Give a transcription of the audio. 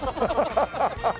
ハハハハ。